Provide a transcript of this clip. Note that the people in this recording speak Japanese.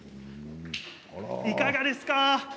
いかがですか。